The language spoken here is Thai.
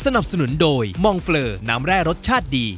สนับสนุนโดยมองเฟลอน้ำแร่รสชาติดี